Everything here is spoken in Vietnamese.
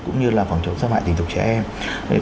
cũng như là phòng chống xâm hại tình dục trẻ em